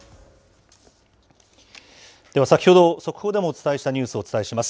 では先ほど速報でもお伝えしたニュースをお伝えします。